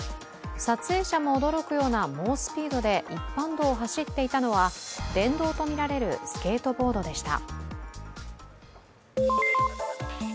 撮影者も驚くような猛スピードで一般道を走っていたのは電動とみられるスケートボードでした。